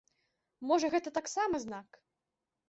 Можа гэта таксама знак?